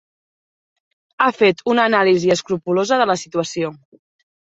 Ha fet una anàlisi escrupolosa de la situació.